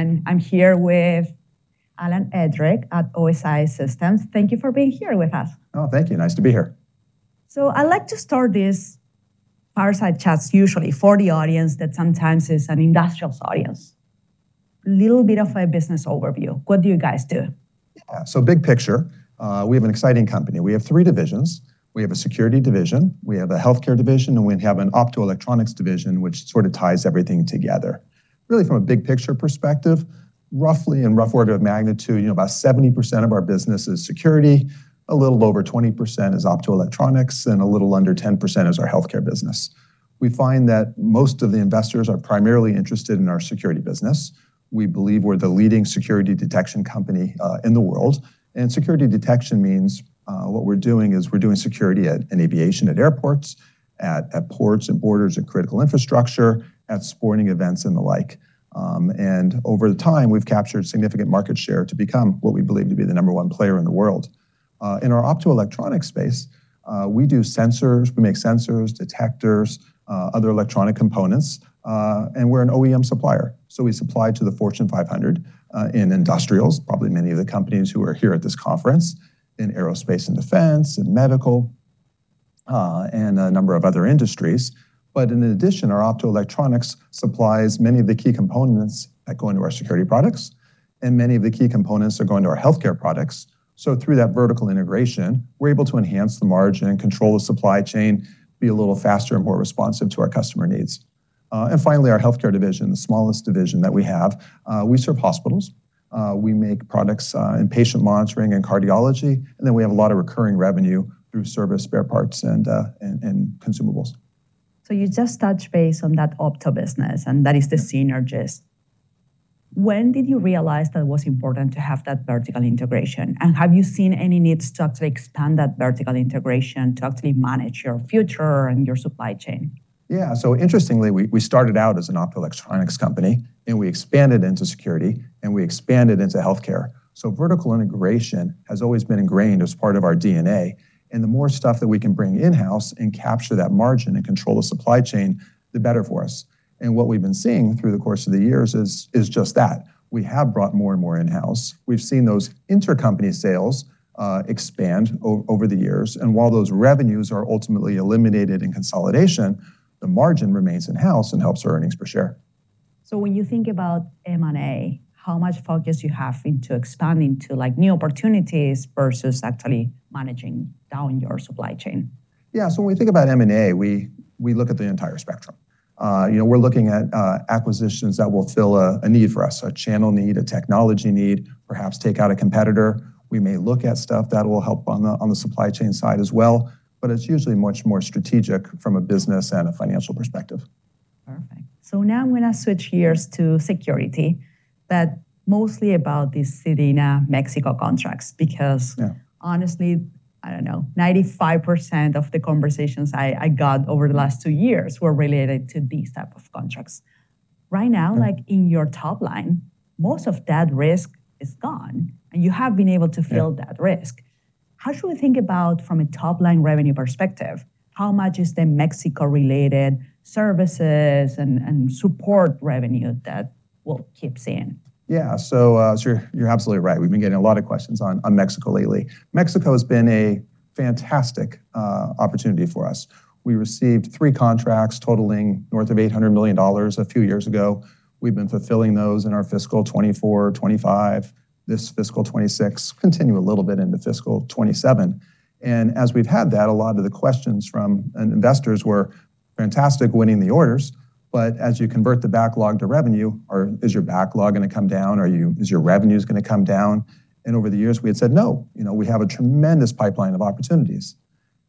I'm here with Alan Edrick at OSI Systems. Thank you for being here with us. Oh, thank you. Nice to be here. I like to start these fireside chats usually for the audience that sometimes is an industrial audience. Little bit of a business overview. What do you guys do? Yeah. Big picture, we have an exciting company. We have three divisions. We have a Security division, we have a Healthcare division, and we have an Optoelectronics division, which sort of ties everything together. Really from a big picture perspective, roughly in rough order of magnitude, you know, about 70% of our business is Security, a little over 20% is Optoelectronics, and a little under 10% is our Healthcare business. We find that most of the investors are primarily interested in our Security business. We believe we're the leading Security detection company in the world, and Security detection means what we're doing is we're doing security in aviation at airports, at ports and borders and critical infrastructure, at sporting events and the like. Over the time, we've captured significant market share to become what we believe to be the number one player in the world. In our Optoelectronics space, we do sensors, we make sensors, detectors, other electronic components, and we're an OEM supplier, so we supply to the Fortune 500 in industrials, probably many of the companies who are here at this conference, in aerospace and defense, in medical, and a number of other industries. In addition, our Optoelectronics supplies many of the key components that go into our Security products, and many of the key components that go into our Healthcare products. Through that vertical integration, we're able to enhance the margin and control the supply chain, be a little faster and more responsive to our customer needs. Finally, our Healthcare division, the smallest division that we have. We serve hospitals. We make products in patient monitoring and cardiology, and then we have a lot of recurring revenue through service spare parts and consumables. You just touched base on that Opto business, and that is the synergies. When did you realize that it was important to have that vertical integration? Have you seen any need to actually expand that vertical integration to actually manage your future and your supply chain? Yeah. Interestingly, we started out as an optoelectronics company, and we expanded into security, and we expanded into healthcare. Vertical integration has always been ingrained as part of our DNA, and the more stuff that we can bring in-house and capture that margin and control the supply chain, the better for us. What we've been seeing through the course of the years is just that. We have brought more and more in-house. We've seen those intercompany sales expand over the years, and while those revenues are ultimately eliminated in consolidation, the margin remains in-house and helps our earnings per share. When you think about M&A, how much focus you have into expanding to, like, new opportunities versus actually managing down your supply chain? Yeah. When we think about M&A, we look at the entire spectrum. You know, we're looking at acquisitions that will fill a need for us, a channel need, a technology need, perhaps take out a competitor. We may look at stuff that will help on the supply chain side as well, but it's usually much more strategic from a business and a financial perspective. Perfect. Now I'm gonna switch gears to security, mostly about the SEDENA Mexico contracts because honestly, I don't know, 95% of the conversations I got over the last two years were related to these type of contracts. Right now, like in your top line, most of that risk is gone, and you have been able to fill that risk. How should we think about from a top-line revenue perspective, how much is the Mexico-related services and support revenue that we'll keep seeing? Yeah. You're absolutely right. We've been getting a lot of questions on Mexico lately. Mexico has been a fantastic opportunity for us. We received three contracts totaling north of $800 million a few years ago. We've been fulfilling those in our fiscal 2024, 2025, this fiscal 2026, continue a little bit into fiscal 2027. As we've had that, a lot of the questions from investors were fantastic winning the orders, but as you convert the backlog to revenue or is your backlog gonna come down? Is your revenues gonna come down? Over the years, we had said, no, you know, we have a tremendous pipeline of opportunities.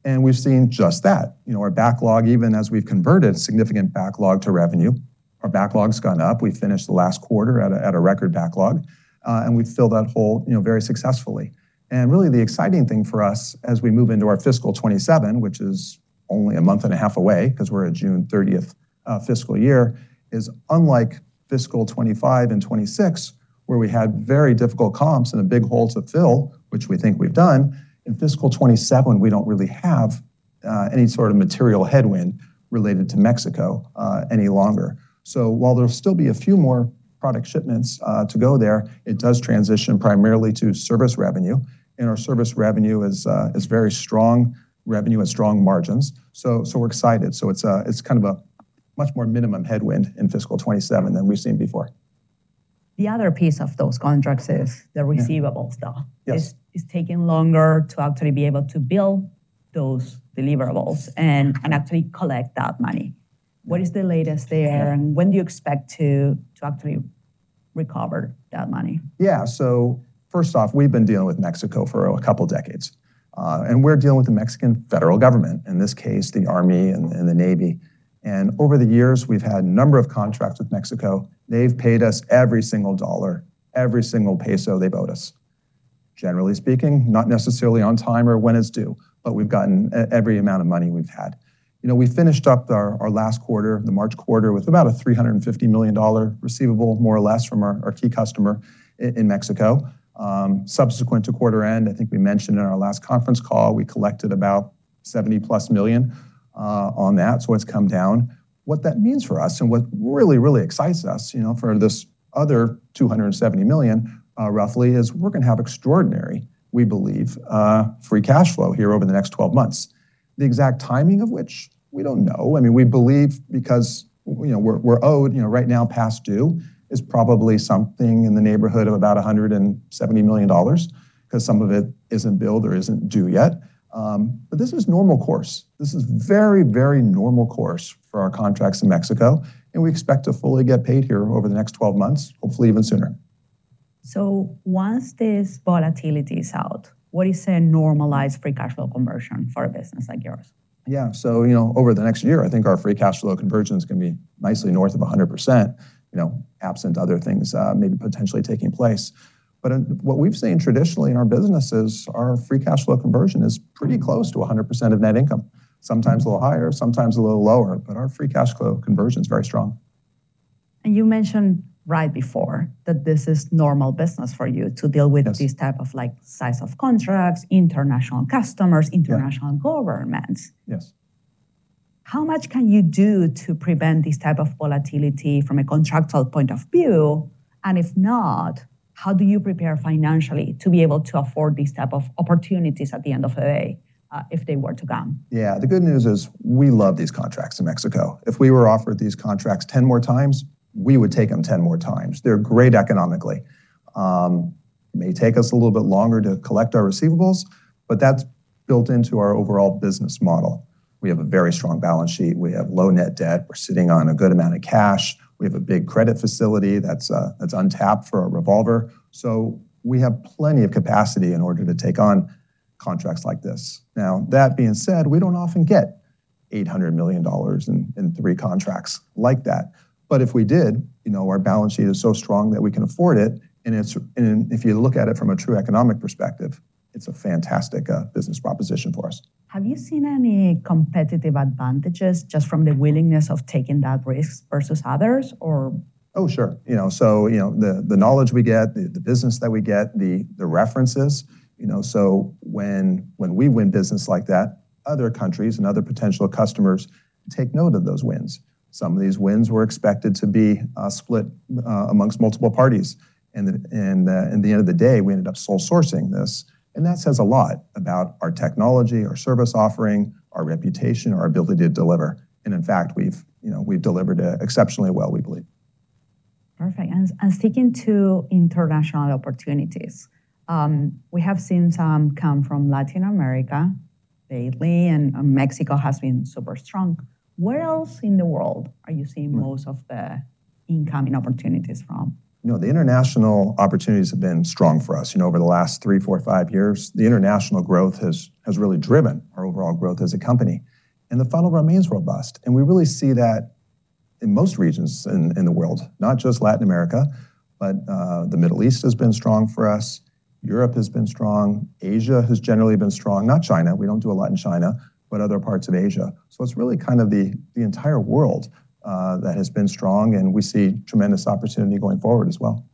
We've seen just that. You know, our backlog, even as we've converted significant backlog to revenue, our backlog's gone up. We finished the last quarter at a record backlog, and we've filled that hole, you know, very successfully. Really the exciting thing for us as we move into our fiscal 2027, which is only a month and a half away because we're a June 30th fiscal year, is unlike fiscal 2025 and 2026, where we had very difficult comps and a big hole to fill, which we think we've done, in fiscal 2027, we don't really have any sort of material headwind related to Mexico any longer. While there'll still be a few more product shipments to go there, it does transition primarily to service revenue, and our service revenue is very strong revenue and strong margins. We're excited. It's kind of a much more minimum headwind in fiscal 2027 than we've seen before. The other piece of those contracts is the receivables, though. It's taking longer to actually be able to build those deliverables and actually collect that money. What is the latest there, and when do you expect to actually recover that money? First off, we've been dealing with Mexico for a couple decades, we're dealing with the Mexican federal government, in this case, the army and the navy. Over the years, we've had a number of contracts with Mexico. They've paid us every single dollar, every single peso they owed us. Generally speaking, not necessarily on time or when it's due, but we've gotten every amount of money we've had. You know, we finished up our last quarter, the March quarter, with about a $350 million receivable, more or less, from our key customer in Mexico. Subsequent to quarter end, I think we mentioned in our last conference call, we collected about $70+ million. On that, it's come down. What that means for us, what really, really excites us, you know, for this other $270 million, roughly, is we're gonna have extraordinary, we believe, free cash flow here over the next 12 months. The exact timing of which we don't know. I mean, we believe because, you know, we're owed, you know, right now past due is probably something in the neighborhood of about $170 million, 'cause some of it isn't billed or isn't due yet. This is normal course. This is very, very normal course for our contracts in Mexico, we expect to fully get paid here over the next 12 months, hopefully even sooner. Once this volatility is out, what is a normalized free cash flow conversion for a business like yours? You know, over the next year, I think our free cash flow conversions can be nicely north of 100%, you know, absent other things, maybe potentially taking place. What we've seen traditionally in our businesses, our free cash flow conversion is pretty close to 100% of net income. Sometimes a little higher, sometimes a little lower, but our free cash flow conversion is very strong. You mentioned right before that this is normal business for you to deal with this type of, like, size of contracts, international customers, international governments. Yes. How much can you do to prevent this type of volatility from a contractual point of view, and if not, how do you prepare financially to be able to afford these type of opportunities at the end of the day, if they were to come? Yeah. The good news is we love these contracts in Mexico. If we were offered these contracts 10 more times, we would take them 10 more times. They're great economically. May take us a little bit longer to collect our receivables, but that's built into our overall business model. We have a very strong balance sheet. We have low net debt. We're sitting on a good amount of cash. We have a big credit facility that's untapped for a revolver. We have plenty of capacity in order to take on contracts like this. Now, that being said, we don't often get $800 million in three contracts like that. If we did, you know, our balance sheet is so strong that we can afford it, and if you look at it from a true economic perspective, it's a fantastic business proposition for us. Have you seen any competitive advantages just from the willingness of taking that risk versus others or? Oh, sure. You know, the knowledge we get, the business that we get, the references. You know, when we win business like that, other countries and other potential customers take note of those wins. Some of these wins were expected to be split amongst multiple parties. At the end of the day, we ended up sole sourcing this, and that says a lot about our technology, our service offering, our reputation, our ability to deliver. In fact, we've, you know, we've delivered exceptionally well, we believe. Perfect. Speaking to international opportunities, we have seen some come from Latin America lately, and Mexico has been super strong. Where else in the world are you seeing most of the incoming opportunities from? You know, the international opportunities have been strong for us. You know, over the last three, four, five years, the international growth has really driven our overall growth as a company. The funnel remains robust. We really see that in most regions in the world, not just Latin America, but the Middle East has been strong for us. Europe has been strong. Asia has generally been strong. Not China. We don't do a lot in China, but other parts of Asia. It's really kind of the entire world that has been strong, and we see tremendous opportunity going forward as well.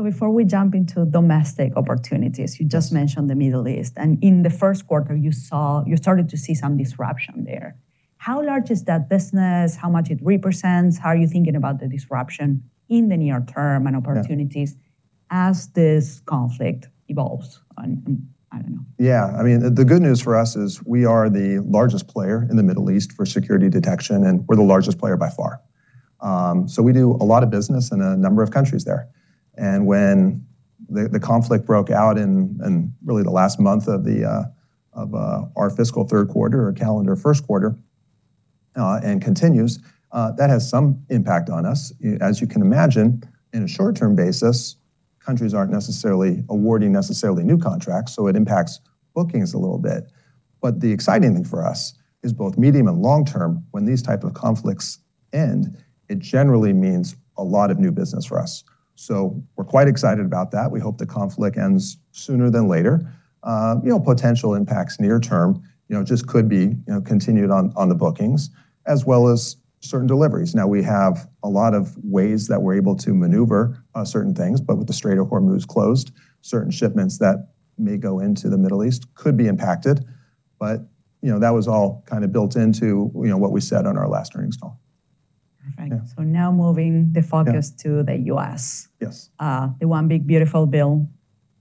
Before we jump into domestic opportunities, you just mentioned the Middle East, and in the first quarter, you started to see some disruption there. How large is that business? How much it represents? How are you thinking about the disruption in the near-term and opportunities as this conflict evolves? I don't know. Yeah. I mean, the good news for us is we are the largest player in the Middle East for security detection. We're the largest player by far. We do a lot of business in a number of countries there. When the conflict broke out in really the last month of our fiscal third quarter or calendar first quarter, and continues, that has some impact on us. As you can imagine, in a short-term basis, countries aren't necessarily awarding new contracts, it impacts bookings a little bit. The exciting thing for us is both medium and long-term, when these type of conflicts end, it generally means a lot of new business for us. We're quite excited about that. We hope the conflict ends sooner than later. You know, potential impacts near-term, you know, just could be, you know, continued on the bookings, as well as certain deliveries. Now, we have a lot of ways that we're able to maneuver certain things, but with the Strait of Hormuz closed, certain shipments that may go into the Middle East could be impacted. you know, that was all kinda built into, you know, what we said on our last earnings call. Perfect. Now moving the focus to the U.S. The one big beautiful bill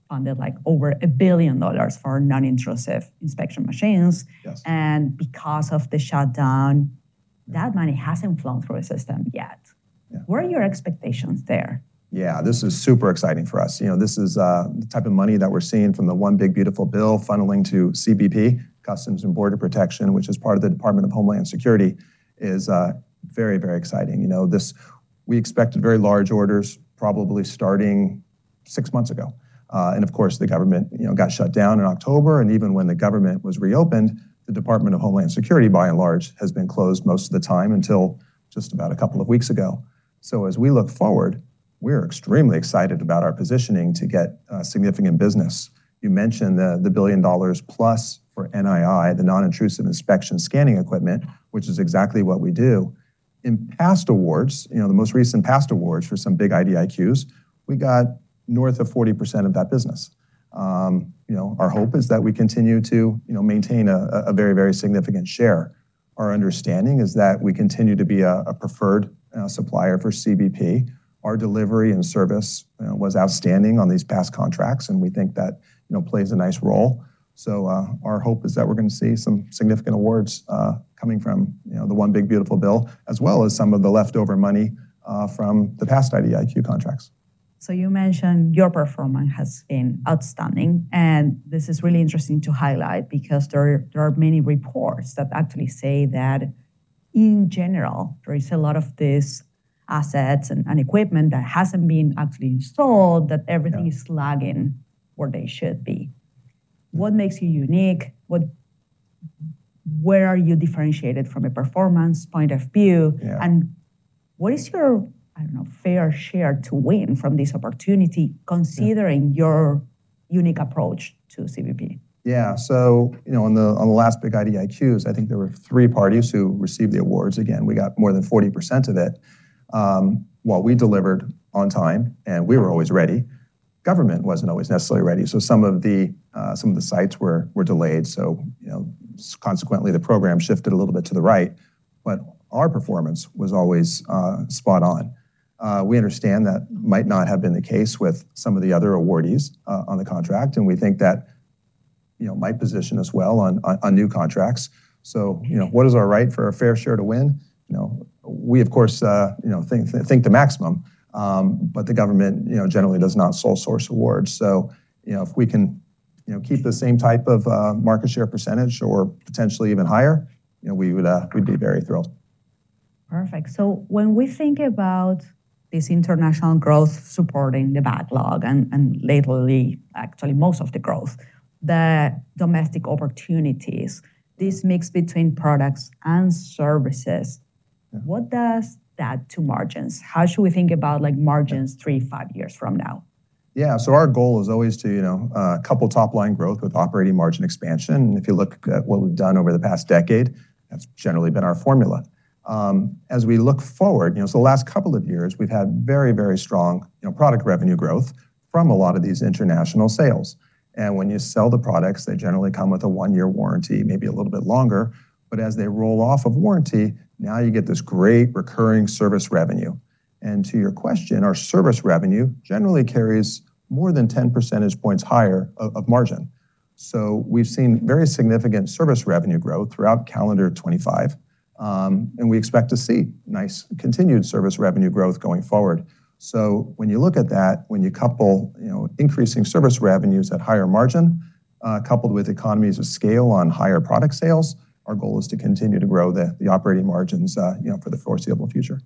funded, like, over $1 billion for non-intrusive inspection machines. Because of the shutdown, that money hasn't flown through the system yet. What are your expectations there? Yeah. This is super exciting for us. You know, this is the type of money that we're seeing from the one big beautiful bill funneling to CBP, Customs and Border Protection, which is part of the Department of Homeland Security, is very, very exciting. You know, we expected very large orders probably starting six months ago. Of course, the government, you know, got shut down in October, and even when the government was reopened, the Department of Homeland Security, by and large, has been closed most of the time until just about a couple of weeks ago. As we look forward, we're extremely excited about our positioning to get significant business. You mentioned the $1 billion+ for NII, the Non-Intrusive Inspection scanning equipment, which is exactly what we do. In past awards, you know, the most recent past awards for some big IDIQs, we got north of 40% of that business. You know, our hope is that we continue to, you know, maintain a very, very significant share. Our understanding is that we continue to be a preferred supplier for CBP. Our delivery and service was outstanding on these past contracts. We think that, you know, plays a nice role. Our hope is that we're gonna see some significant awards coming from, you know, the one big beautiful bill, as well as some of the leftover money from the past IDIQ contracts. You mentioned your performance has been outstanding, and this is really interesting to highlight because there are many reports that actually say that in general, there is a lot of these assets and equipment that hasn't been actually installed that everything is lagging where they should be. What makes you unique? Where are you differentiated from a performance point of view? What is your, I don't know, fair share to win from this opportunity considering your unique approach to CBP? Yeah. You know, on the last big IDIQs, I think there were three parties who received the awards. Again, we got more than 40% of it. While we delivered on time and we were always ready, government wasn't always necessarily ready, some of the sites were delayed. You know, consequently, the program shifted a little bit to the right. Our performance was always spot on. We understand that might not have been the case with some of the other awardees on the contract, and we think that, you know, might position us well on new contracts. You know, what is our right for a fair share to win? You know, we, of course, you know, think the maximum, but the government, you know, generally does not sole source awards. You know, if we can, you know, keep the same type of, market share percentage or potentially even higher, you know, we would, we'd be very thrilled. Perfect. When we think about this international growth supporting the backlog, and lately, actually most of the growth, the domestic opportunities, this mix between products and services. What does that to margins? How should we think about, like, margins three, five years from now? Yeah. Our goal is always to, you know, couple top line growth with operating margin expansion. If you look at what we've done over the past decade, that's generally been our formula. As we look forward, you know, the last couple of years, we've had very, very strong, you know, product revenue growth from a lot of these international sales. When you sell the products, they generally come with a one-year warranty, maybe a little bit longer. As they roll off of warranty, now you get this great recurring service revenue. To your question, our service revenue generally carries more than 10 percentage points higher of margin. We've seen very significant service revenue growth throughout calendar 2025, and we expect to see nice continued service revenue growth going forward. When you look at that, when you couple, you know, increasing service revenues at higher margin, coupled with economies of scale on higher product sales, our goal is to continue to grow the operating margins, you know, for the foreseeable future.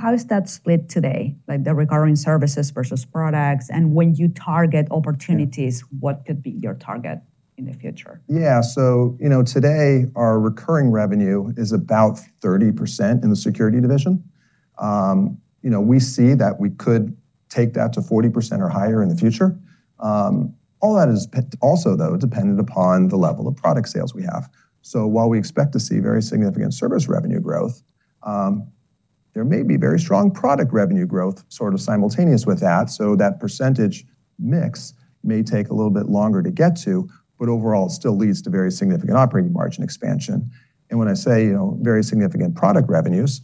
How is that split today, like the recurring services versus products, and when you target opportunities? What could be your target in the future? Yeah. You know, today, our recurring revenue is about 30% in the Security division. You know, we see that we could take that to 40% or higher in the future. All that is also, though, dependent upon the level of product sales we have. While we expect to see very significant service revenue growth, there may be very strong product revenue growth sort of simultaneous with that so that percentage mix may take a little bit longer to get to, but overall, it still leads to very significant operating margin expansion. When I say, you know, very significant product revenues,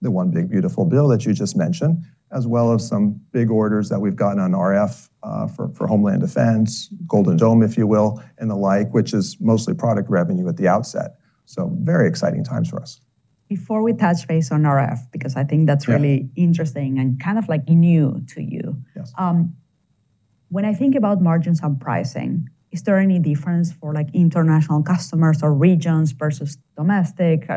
the one big beautiful bill that you just mentioned, as well as some big orders that we've gotten on RF, for Homeland Defense, Golden Dome, if you will, and the like, which is mostly product revenue at the outset. Very exciting times for us. Before we touch base on RF because I think that's really interesting and kind of like new to you. When I think about margins on pricing, is there any difference for like international customers or regions versus domestic?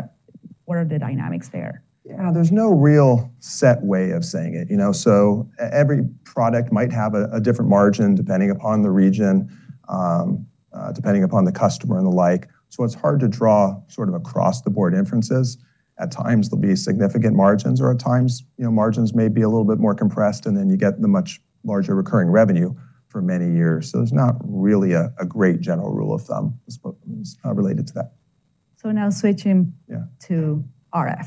What are the dynamics there? Yeah. There's no real set way of saying it, you know. Every product might have a different margin depending upon the region, depending upon the customer and the like. It's hard to draw sort of across the board inferences. At times there'll be significant margins, or at times, you know, margins may be a little bit more compressed, you get the much larger recurring revenue for many years. There's not really a great general rule of thumb as related to that. So now switching to RF.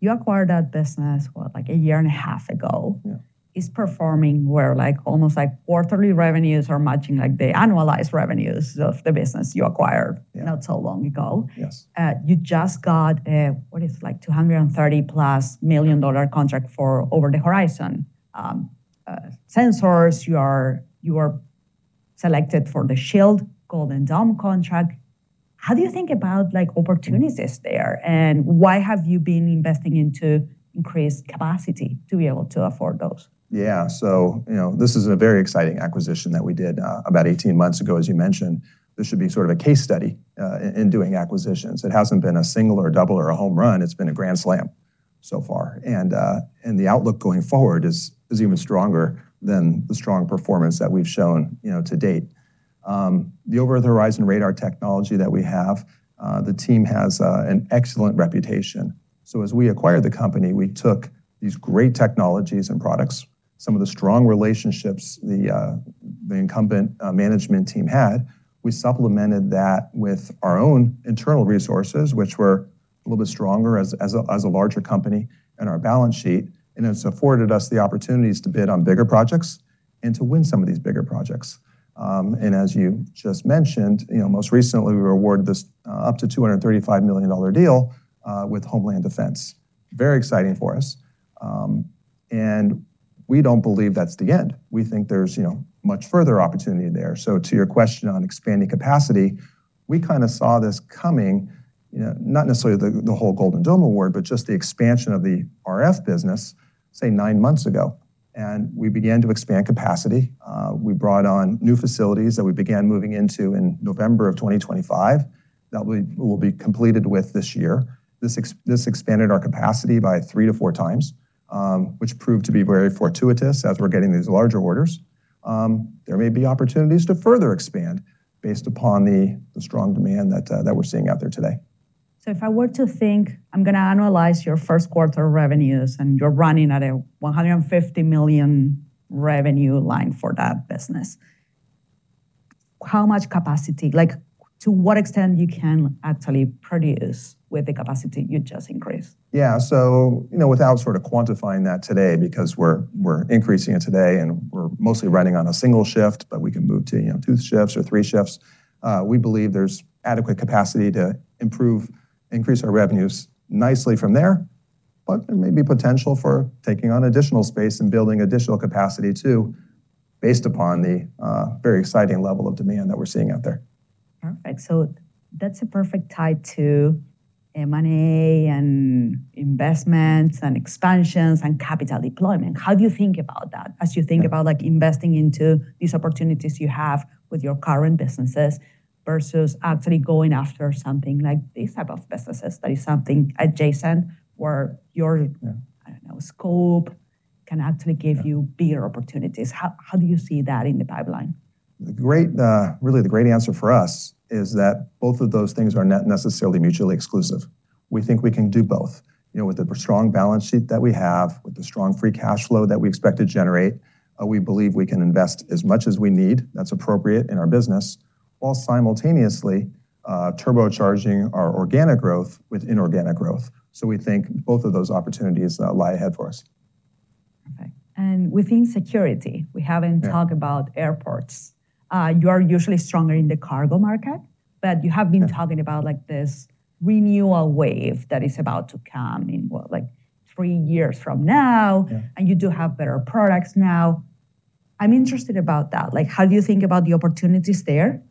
You acquired that business, what, like a year and a half ago. It's performing where like almost like quarterly revenues are matching like the annualized revenues of the business you acquired not so long ago. You just got a, what is like $230+ million contract for Over-the-Horizon sensors. You are selected for the SHIELD Golden Dome contract. How do you think about like opportunities there, and why have you been investing into increased capacity to be able to afford those? You know, this is a very exciting acquisition that we did about 18 months ago, as you mentioned. This should be sort of a case study in doing acquisitions. It hasn't been a single or a double or a home run. It's been a grand slam so far. The outlook going forward is even stronger than the strong performance that we've shown, you know, to date. The Over-the-Horizon radar technology that we have, the team has an excellent reputation. As we acquired the company, we took these great technologies and products, some of the strong relationships the incumbent management team had. We supplemented that with our own internal resources, which were a little bit stronger as a larger company in our balance sheet, and it's afforded us the opportunities to bid on bigger projects and to win some of these bigger projects. As you just mentioned, you know, most recently, we were awarded this up to $235 million deal with Homeland Defense. Very exciting for us. We don't believe that's the end. We think there's, you know, much further opportunity there. To your question on expanding capacity, we kinda saw this coming, you know, not necessarily the whole Golden Dome award, but just the expansion of the RF business, say nine months ago. We began to expand capacity. We brought on new facilities that we began moving into in November of 2025 that will be completed with this year. This expanded our capacity by 3x-4x, which proved to be very fortuitous as we're getting these larger orders. There may be opportunities to further expand based upon the strong demand that we're seeing out there today. If I were to think, I'm gonna analyze your first quarter revenues, and you're running at a $150 million revenue line for that business. How much capacity? Like, to what extent you can actually produce with the capacity you just increased? Yeah. You know, without sort of quantifying that today because we're increasing it today, and we're mostly running on a single shift, but we can move to, you know, two shifts or three shifts. We believe there's adequate capacity to improve, increase our revenues nicely from there, but there may be potential for taking on additional space and building additional capacity too based upon the very exciting level of demand that we're seeing out there. Perfect. That's a perfect tie to M&A and investments and expansions and capital deployment. How do you think about that as you think about, like, investing into these opportunities you have with your current businesses versus actually going after something like these type of businesses that is something adjacent. I don't know, scope can actually give you bigger opportunities. How do you see that in the pipeline? The great, really the great answer for us is that both of those things are not necessarily mutually exclusive. We think we can do both. You know, with the strong balance sheet that we have, with the strong free cash flow that we expect to generate, we believe we can invest as much as we need that's appropriate in our business while simultaneously, turbocharging our organic growth with inorganic growth. We think both of those opportunities lie ahead for us. Okay. Within Security, we haven't talked about airports. You are usually stronger in the cargo market talking about, like, this renewal wave that is about to come in, what? Like, three years from now. You do have better products now. I'm interested about that. How do you think about the opportunities there?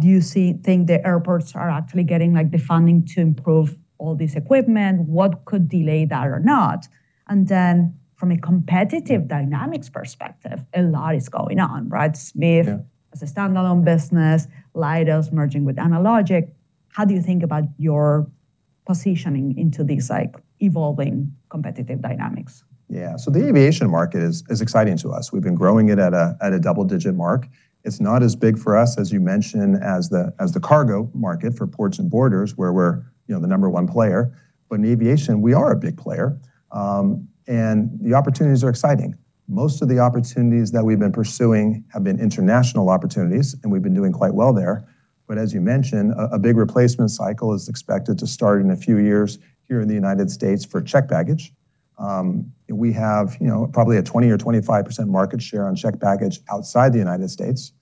Do you think the airports are actually getting the funding to improve all this equipment? What could delay that or not? From a competitive dynamics perspective, a lot is going on, right? Smiths as a standalone business, Leidos merging with Analogic. How do you think about your positioning into these, like, evolving competitive dynamics? Yeah. The aviation market is exciting to us. We've been growing it at a double-digit mark. It's not as big for us, as you mentioned, as the cargo market for ports and borders where we're, you know, the number one player. In aviation, we are a big player, and the opportunities are exciting. Most of the opportunities that we've been pursuing have been international opportunities, and we've been doing quite well there. As you mentioned, a big replacement cycle is expected to start in a few years here in the United States for checked baggage. We have, you know, probably a 20% or 25% market share on checked baggage outside the United States.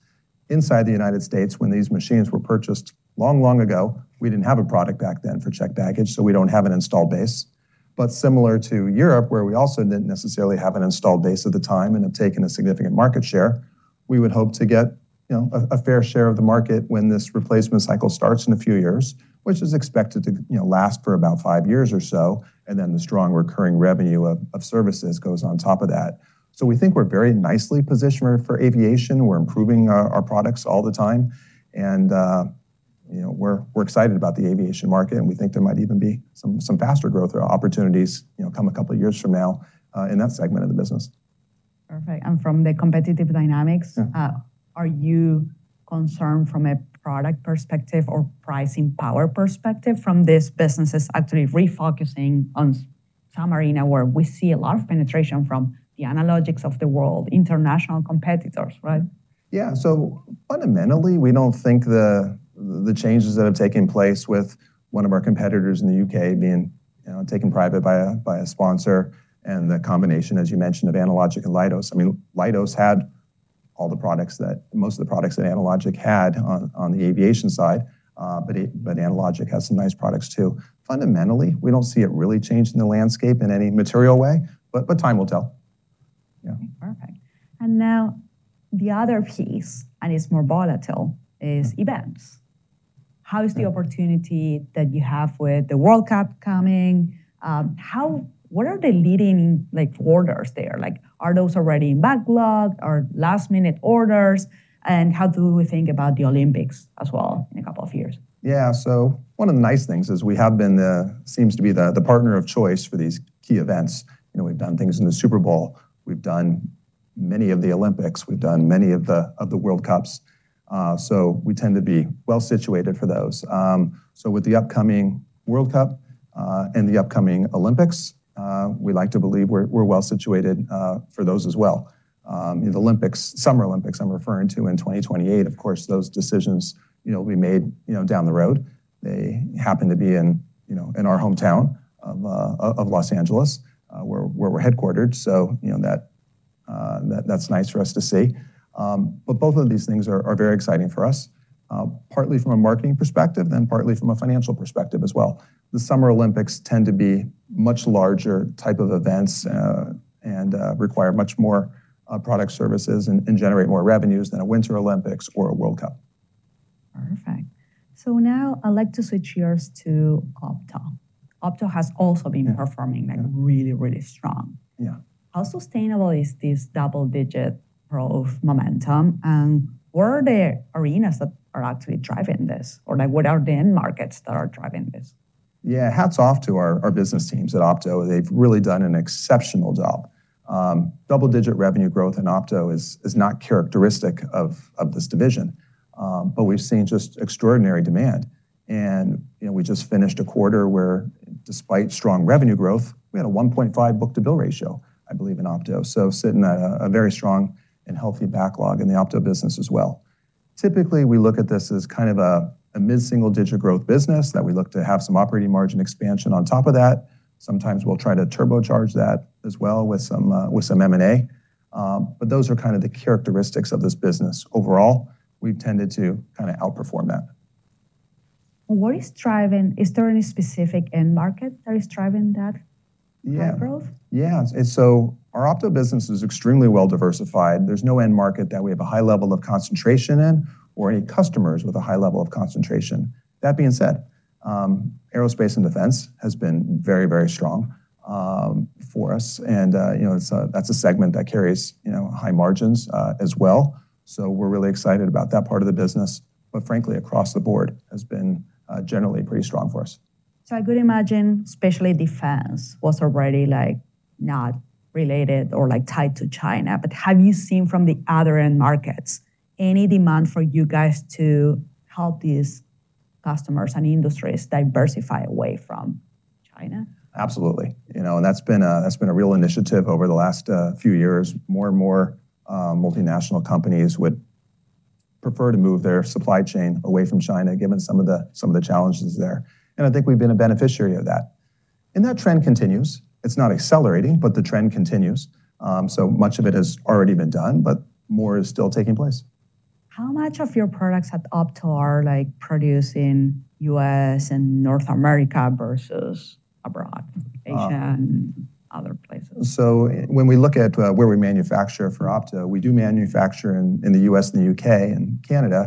Inside the United States, when these machines were purchased long, long ago, we didn't have a product back then for checked baggage, so we don't have an installed base. Similar to Europe, where we also didn't necessarily have an installed base at the time and have taken a significant market share, we would hope to get, you know, a fair share of the market when this replacement cycle starts in a few years, which is expected to, you know, last for about five years or so, and then the strong recurring revenue of services goes on top of that. We think we're very nicely positioned for aviation. We're improving our products all the time. You know, we're excited about the aviation market, and we think there might even be some faster growth or opportunities, you know, come a couple of years from now, in that segment of the business. Perfect. From the competitive dynamics, are you concerned from a product perspective or pricing power perspective from these businesses actually refocusing on some arena where we see a lot of penetration from the Analogics of the world, international competitors, right? Yeah. Fundamentally, we don't think the changes that have taken place with one of our competitors in the U.K. being, you know, taken private by a sponsor and the combination, as you mentioned, of Analogic and Leidos. I mean, Leidos had all the products that most of the products that Analogic had on the aviation side, but Analogic has some nice products too. Fundamentally, we don't see it really changing the landscape in any material way, but time will tell. Yeah. Perfect. Now the other piece, and it's more volatile, is events. How is the opportunity that you have with the World Cup coming? What are the leading, like, orders there? Like, are those already in backlog or last-minute orders? How do we think about the Olympics as well in a couple of years? Yeah. One of the nice things is we have been the, seems to be the partner of choice for these key events. You know, we've done things in the Super Bowl. We've done many of the Olympics. We've done many of the World Cups. We tend to be well-situated for those. With the upcoming World Cup, in the upcoming Olympics, we like to believe we're well-situated for those as well. The Olympics, Summer Olympics, I'm referring to in 2028. Of course, those decisions, you know, will be made, you know, down the road. They happen to be in, you know, in our hometown of Los Angeles, where we're headquartered, so you know, that's nice for us to see. Both of these things are very exciting for us, partly from a marketing perspective and partly from a financial perspective as well. The Summer Olympics tend to be much larger type of events, and require much more product services and generate more revenues than a Winter Olympics or a World Cup. Perfect. Now I'd like to switch gears to Opto. Opto has also been performing, like, really strong. How sustainable is this double-digit growth momentum? What are the arenas that are actually driving this? Like what are the end markets that are driving this? Yeah. Hats off to our business teams at Opto. They've really done an exceptional job. Double-digit revenue growth in Opto is not characteristic of this division. We've seen just extraordinary demand. You know, we just finished a quarter where despite strong revenue growth, we had a 1.5 book-to-bill ratio, I believe, in Opto. Sitting at a very strong and healthy backlog in the Opto business as well. Typically, we look at this as kind of a mid-single-digit growth business that we look to have some operating margin expansion on top of that. Sometimes we'll try to turbocharge that as well with some M&A. Those are kind of the characteristics of this business. Overall, we've tended to kind of outperform that. Is there any specific end market that is driving that growth? Yeah. Our Opto business is extremely well-diversified. There's no end market that we have a high level of concentration in or any customers with a high level of concentration. That being said, aerospace and defense has been very, very strong for us. You know, that's a segment that carries, you know, high margins as well. We're really excited about that part of the business. Frankly, across the board has been generally pretty strong for us. I could imagine especially defense was already like not related or like tied to China. Have you seen from the other end markets any demand for you guys to help these customers and industries diversify away from China? Absolutely. You know, that's been a real initiative over the last few years. More and more, multinational companies would prefer to move their supply chain away from China, given some of the challenges there, and I think we've been a beneficiary of that. That trend continues. It's not accelerating, but the trend continues. So much of it has already been done, but more is still taking place. How much of your products at Opto are like produced in U.S. and North America versus abroad, Asia and other places? When we look at, where we manufacture for Opto, we do manufacture in the U.S. and the U.K. and Canada,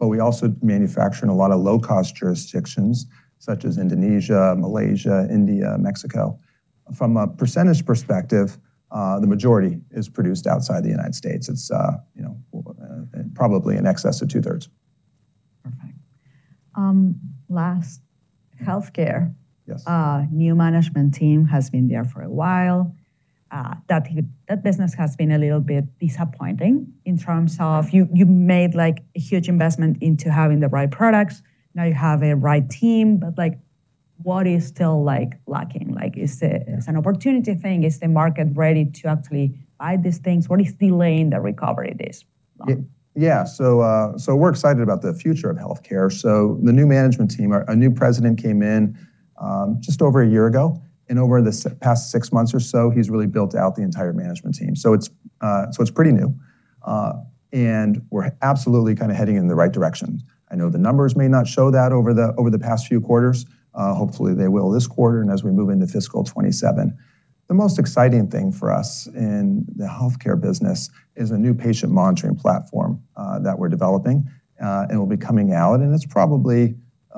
but we also manufacture in a lot of low-cost jurisdictions such as Indonesia, Malaysia, India, Mexico. From a percentage perspective, the majority is produced outside the United States. It's, you know, probably in excess of 2/3. Perfect. Last, Healthcare. New management team has been there for a while. That business has been a little bit disappointing in terms of you made like a huge investment into having the right products. Now you have a right team, but like, what is still like lacking an opportunity thing? Is the market ready to actually buy these things? What is delaying the recovery this long? Yeah, we're excited about the future of healthcare. The new management team, a new President came in just over a year ago, and over the past six months or so, he's really built out the entire management team. It's pretty new. We're absolutely kind of heading in the right direction. I know the numbers may not show that over the past few quarters. Hopefully, they will this quarter and as we move into fiscal 2027. The most exciting thing for us in the Healthcare business is a new patient monitoring platform that we're developing and will be coming out, and it's probably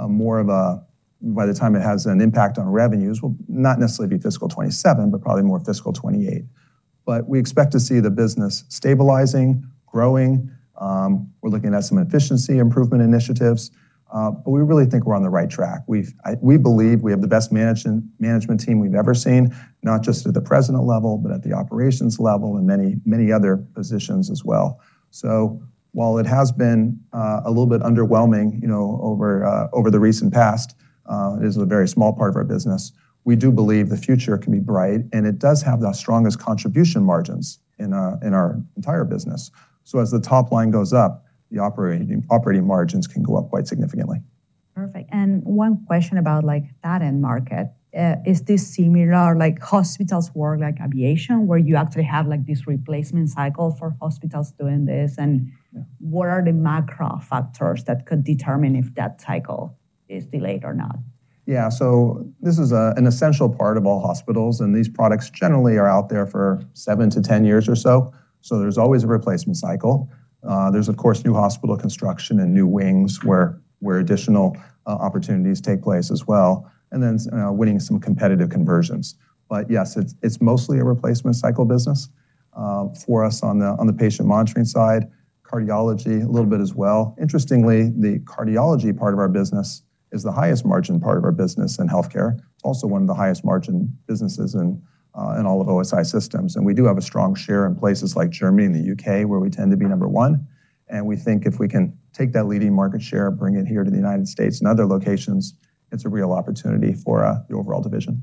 more of a, by the time it has an impact on revenues, will not necessarily be fiscal 2027, but probably more fiscal 2028. We expect to see the business stabilizing, growing. We're looking at some efficiency improvement initiatives, but we really think we're on the right track. We believe we have the best management team we've ever seen, not just at the President level, but at the operations level and many, many other positions as well. While it has been a little bit underwhelming, you know, over the recent past, it is a very small part of our business, we do believe the future can be bright, and it does have the strongest contribution margins in our entire business. As the top line goes up, the operating margins can go up quite significantly. Perfect. One question about like that end market. Is this similar like hospitals work like aviation, where you actually have like this replacement cycle for hospitals doing this? What are the macro factors that could determine if that cycle is delayed or not? This is an essential part of all hospitals, and these products generally are out there for 7-10 years or so. There's always a replacement cycle. There's of course, new hospital construction and new wings where additional opportunities take place as well, winning some competitive conversions. Yes, it's mostly a replacement cycle business for us on the patient monitoring side. Cardiology a little bit as well. Interestingly, the cardiology part of our business is the highest margin part of our business in healthcare. It's also one of the highest margin businesses in all of OSI Systems. We do have a strong share in places like Germany and the U.K., where we tend to be number one. We think if we can take that leading market share, bring it here to the United States and other locations, it's a real opportunity for the overall division.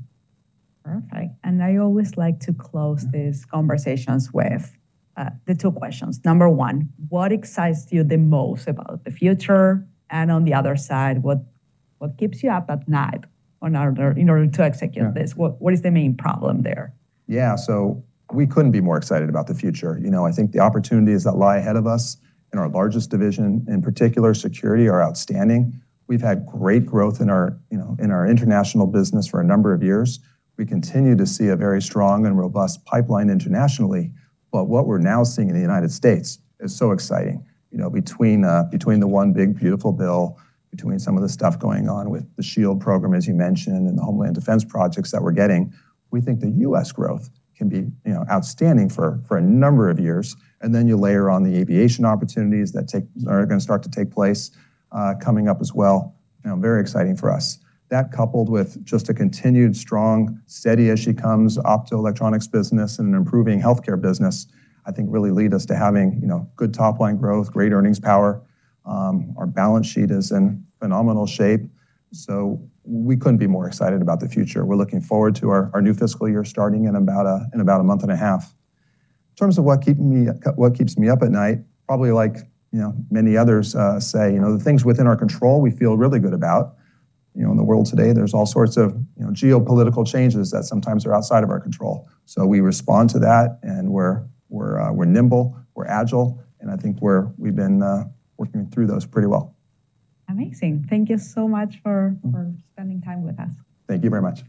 Perfect. I always like to close these conversations with, the two questions. Number one, what excites you the most about the future? On the other side, what keeps you up at night in order to execute this? What is the main problem there? Yeah. We couldn't be more excited about the future. You know, I think the opportunities that lie ahead of us in our largest division, in particular Security, are outstanding. We've had great growth in our, you know, in our international business for a number of years. We continue to see a very strong and robust pipeline internationally. What we're now seeing in the United States is so exciting. You know, between the One Big Beautiful Bill, between some of the stuff going on with the SHIELD program, as you mentioned, and the Homeland Defense projects that we're getting, we think the U.S. growth can be, you know, outstanding for a number of years. Then you layer on the aviation opportunities that are gonna start to take place coming up as well. You know, very exciting for us. That coupled with just a continued strong, steady as she comes Optoelectronics business and an improving Healthcare business, I think really lead us to having good top line growth, great earnings power. Our balance sheet is in phenomenal shape. We couldn't be more excited about the future. We're looking forward to our new fiscal year starting in about a month and a half. In terms of what keeps me up at night, probably like many others say, the things within our control we feel really good about. In the world today, there's all sorts of geopolitical changes that sometimes are outside of our control. We respond to that, and we're nimble, we're agile, and I think we've been working through those pretty well. Amazing. Thank you so much for spending time with us. Thank you very much.